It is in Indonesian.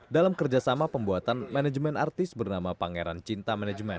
dalam kerjasama pembuatan manajemen artis bernama pangeran cinta manajemen